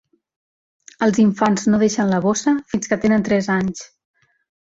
Els infants no deixen la bossa fins que tenen tres anys.